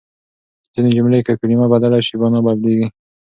ځينې جملې که کلمه بدله شي، مانا بدلېږي.